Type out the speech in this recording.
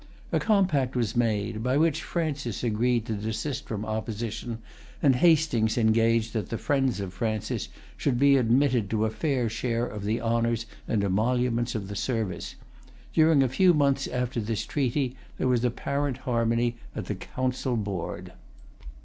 A compact was made, by which Francis agreed to desist from opposition, and Hastings engaged that the friends of Francis should be admitted to a fair share of the honors and emoluments of the service. During a few months after this treaty there was apparent harmony at the council board.